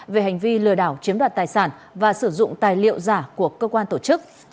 về hành vi lừa đảo chiếm đoạt tài sản và sử dụng tài liệu giả của cơ quan tổ chức